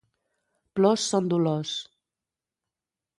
Plors són dolors.